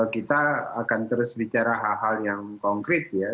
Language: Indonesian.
kita akan terus bicara hal hal yang konkret ya